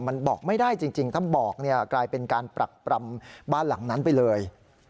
มันบอกไม่ได้จริงถ้าบอกกลายเป็นการปรักปรำบ้านหลังนั้นไปเลย